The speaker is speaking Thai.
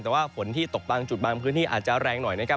แต่ว่าฝนที่ตกบางจุดบางพื้นที่อาจจะแรงหน่อยนะครับ